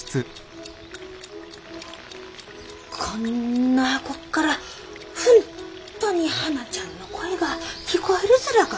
こんな箱っから本当にはなちゃんの声が聞こえるずらかね？